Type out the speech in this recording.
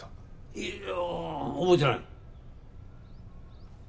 いやあ覚えてない。